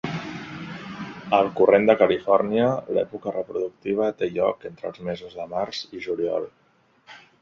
Al corrent de Califòrnia, l'època reproductiva té lloc entre els mesos de març i juliol.